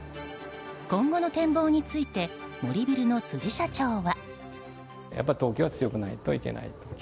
今後の展望について森ビルの辻社長は。